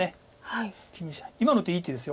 今の手いい手です。